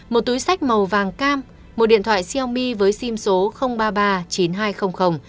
một túi sách màu vàng cam một điện thoại xiaomi với sim số ba mươi ba chín nghìn hai trăm linh